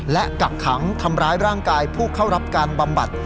และกักขังทำร้ายร่างกายผู้เข้ารับการบำบัด